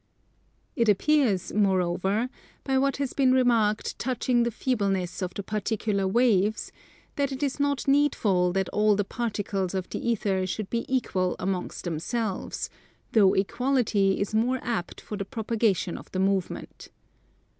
It appears, moreover, by what has been remarked touching the feebleness of the particular waves, that it is not needful that all the particles of the Ether should be equal amongst themselves, though equality is more apt for the propagation of the movement.